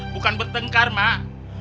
bukan bertengkar mak